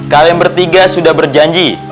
kalian bertiga sudah berjanji